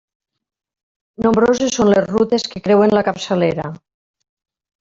Nombroses són les rutes que creuen la Capçalera.